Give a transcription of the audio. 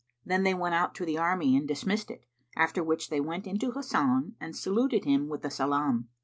Then they went out to the army and dismissed it, after which they went into Hasan and saluted him with the salam.